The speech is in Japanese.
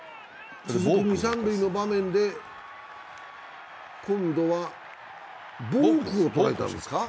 続く二・三塁の場面で今度はボークをとられたんですか。